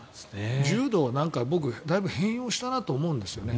柔道、だいぶ変容したなと思うんですよね。